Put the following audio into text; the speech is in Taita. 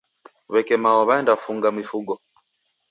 W'eke mao w'aenda funga mifugho